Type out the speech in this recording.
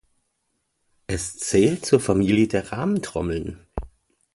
Es zählt zur Familie der Rahmentrommeln.